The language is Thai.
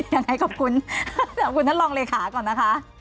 ยังไงขอบคุณขอบคุณท่านรองเลขาก่อนนะคะ